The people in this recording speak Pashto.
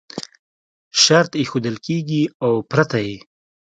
شرط ایښودل کېږي او پرته یې